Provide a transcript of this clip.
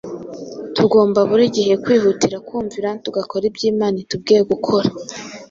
Tugomba buri gihe kwihutira kumvira tugakora ibyo Imana itubwiye gukora,